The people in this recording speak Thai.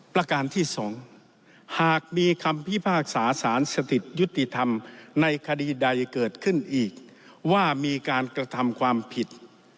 ประการที่๒หากมีคำพิพากษาสารสถิตยุติธรรมในคดีใดเกิดขึ้นอีกว่ามีการกระทำความผิด